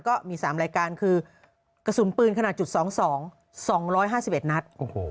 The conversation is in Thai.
ก็มี๓รายการคือกระสุนปืนขนาดจุด๒๒๒๕๑นัด